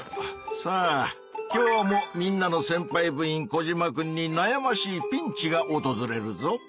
さあ今日もみんなのせんぱい部員コジマくんになやましいピンチがおとずれるぞ！